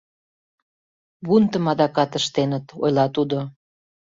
Бунтым адакат ыштеныт, — ойла тудо.